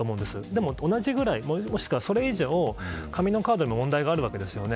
でも同じくらいもしくはそれ以上紙のカードで問題があるわけですよね。